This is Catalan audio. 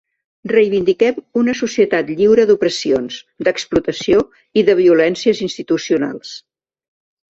Reivindiquem una societat lliure d’opressions, d’explotació i de violències institucionals.